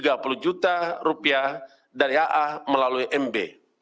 rp tiga puluh juta rupiah dari aa melalui mb